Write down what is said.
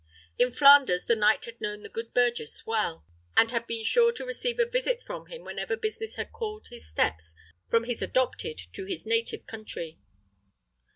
In Flanders the knight had known the good burgess well, and had been sure to receive a visit from him whenever business had called his steps from his adopted to his native country.